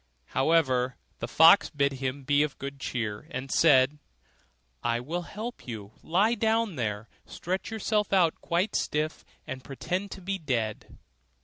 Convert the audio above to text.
However, the fox bid him be of good cheer, and said, 'I will help you; lie down there, stretch yourself out quite stiff, and pretend to be dead.